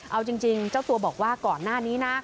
เอาจริงเจ้าตัวบอกว่าก่อนหน้านี้นะ